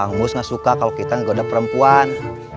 nggak boleh nggoda perempuan